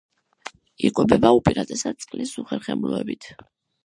იკვებება უპირატესად წყლის უხერხემლოებით.